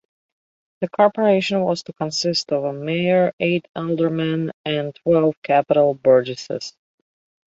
The corporation was to consist of a mayor, eight aldermen and twelve capital burgesses.